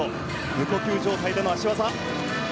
無呼吸状態での脚技。